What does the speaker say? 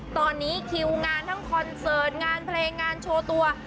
ตอนนี้คิวงานทั้งคอนเสิร์ตงานเพลงงานโชว์ตัว